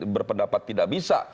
berpendapat tidak bisa